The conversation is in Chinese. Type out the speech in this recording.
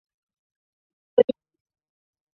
红皮水锦树为茜草科水锦树属下的一个亚种。